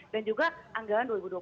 dan juga anggaran dua ribu dua puluh satu